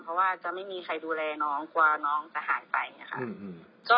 เพราะว่าจะไม่มีใครดูแลน้องกว่าน้องจะหายไปเนี้ยค่ะอืมอืม